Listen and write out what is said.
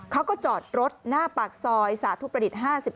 เขาก็จอดรถหน้าปากซอยสาธุประดิษฐ์๕๔